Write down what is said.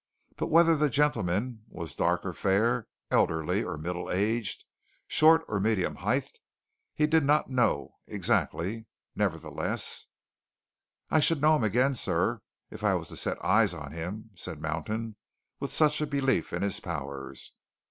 But whether the gentleman was dark or fair, elderly or middle aged, short or medium heighted, he did not know exactly. Nevertheless "I should know him again, sir, if I was to set eyes on him!" said Mountain, with such belief in his powers.